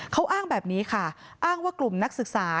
เขาอ้างแบบนี้ค่ะอ้างว่ากลุ่มนักศึกษา